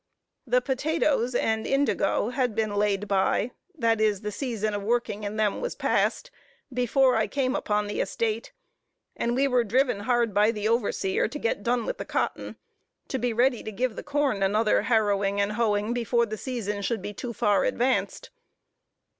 The potatoes and indigo had been laid by, (that is, the season of working in them was past,) before I came upon the estate; and we were driven hard by the overseer to get done with the cotton, to be ready to give the corn another harrowing and hoeing, before the season should be too far advanced.